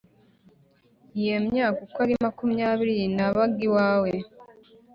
Iyo myaka uko ari makumyabiri nabaga iwawe